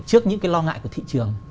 trước những cái lo ngại của thị trường